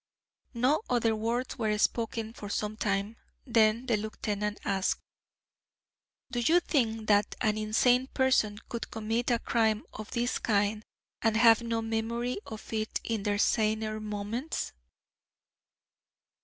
No other words were spoken for some time, then the lieutenant asked: "Do you think that an insane person could commit a crime of this kind and have no memory of it in their saner moments?"